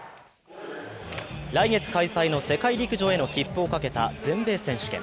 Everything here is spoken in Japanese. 来月開催の世界陸上への切符をかけた全米選手権。